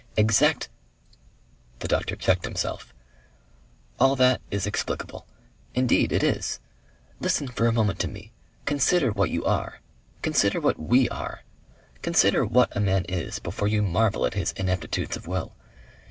"Exact " The doctor checked himself. "All that is explicable. Indeed it is. Listen for a moment to me! Consider what you are. Consider what we are. Consider what a man is before you marvel at his ineptitudes of will.